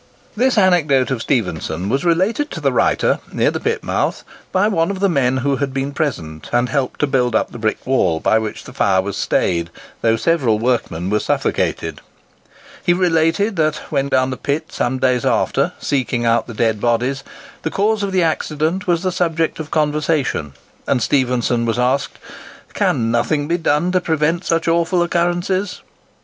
This anecdote of Stephenson was related to the writer, near the pit mouth, by one of the men who had been present and helped to build up the brick wall by which the fire was stayed, though several workmen were suffocated. He related that, when down the pit some days after, seeking out the dead bodies, the cause of the accident was the subject of conversation, and Stephenson was asked, "Can nothing be done to prevent such awful occurrences?"